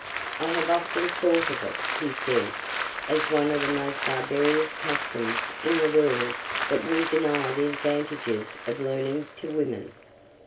'I have often thought of it, 'he says,' as one of the most barbarous customs in the world that we deny the advantages of learning to women.